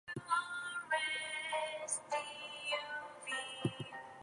The River Loddon flows just to the west.